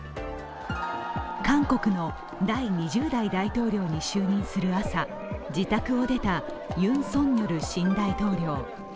韓国の第２０代大統領に就任する朝、自宅を出たユン・ソンニョル新大統領。